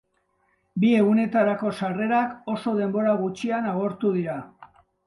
Bi egunetarako sarrerak oso denbora gutxian agortu dira.